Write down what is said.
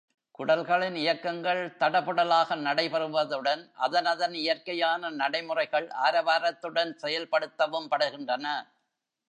குடல்களின் இயக்கங்கள் தடபுடலாக நடைபெறுவதுடன், அதனதன் இயற்கையான நடைமுறைகள் ஆரவாரத்துடன் செயல்படுத்தவும் படுகின்றன.